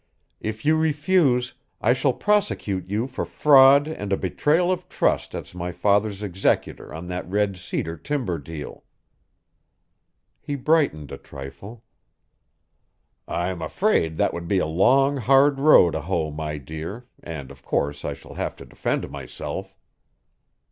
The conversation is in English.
If you refuse, I shall prosecute you for fraud and a betrayal of trust as my father's executor on that red cedar timber deal." He brightened a trifle. "I'm afraid that would be a long, hard row to hoe, my dear, and of course, I shall have to defend myself."